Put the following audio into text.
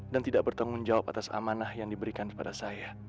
dan tidak bertanggung jawab atas amanah yang diberikan kepada saya